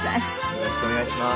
よろしくお願いします。